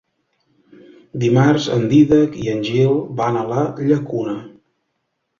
Dimarts en Dídac i en Gil van a la Llacuna.